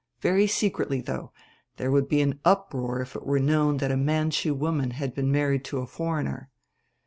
Very secretly though there would be an uproar if it were known that a Manchu woman had been married to a foreigner.